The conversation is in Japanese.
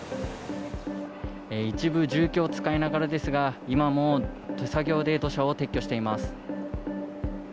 一部、重機を使いながらですが、今も手作業で土砂を撤去しています。